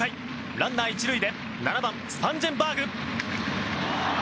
ランナー１塁で７番、スパンジェンバーグ。